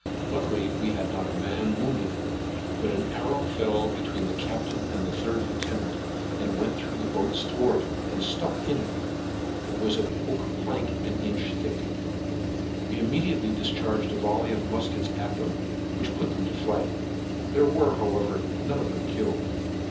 Luckily we had not a man wounded; but an arrow fell between the Captain and Third Lieutenant, and went through the boats thwart, and stuck in it. It was an oak plank inch thick. We immediately discharged a volley of muskets at them, which put them to flight. There were, however, none of them killed.